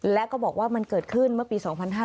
และก็บอกว่ามันเกิดขึ้นเมื่อปี๒๕๕๙